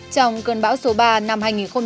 trong cơn bão số ba năm hai nghìn một mươi tám